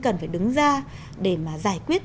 cần phải đứng ra để mà giải quyết